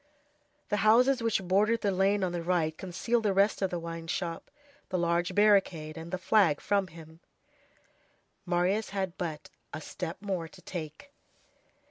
The houses which bordered the lane on the right concealed the rest of the wine shop, the large barricade, and the flag from him. Marius had but a step more to take.